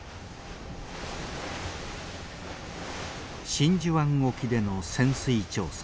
真珠湾沖での潜水調査。